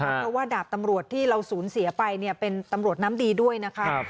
เพราะว่าดาบตำรวจที่เราสูญเสียไปเป็นตำรวจน้ำดีด้วยนะคะ